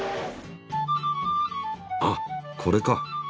あこれか。